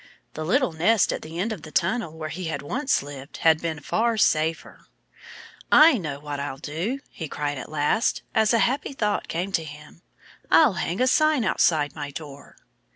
The little nest at the end of the tunnel where he had once lived had been far safer. "I know what I'll do!" he cried at last, as a happy thought came to him. "I'll hang a sign outside my door."